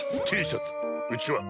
Ｔシャツうちわ